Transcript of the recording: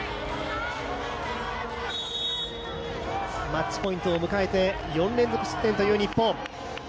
マッチポイントを迎えて４連続失点という日本。